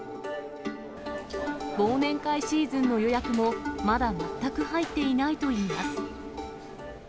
忘年会シーズンの予約も、まだ全く入っていないといいます。